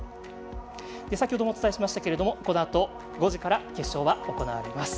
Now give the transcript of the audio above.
先ほどもお伝えしましたがこのあと５時から決勝は行われます。